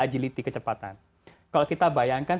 agility kecepatan kalau kita bayangkan